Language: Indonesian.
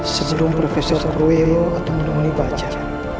sebelum profesor rueyo atau menomoni bajar